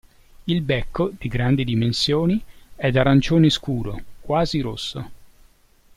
Il becco, di grandi dimensioni, è d'arancione scuro, quasi rosso.